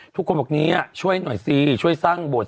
ทุกคนบอกเนี้ยช่วยหน่อยสิช่วยจังโบสถ์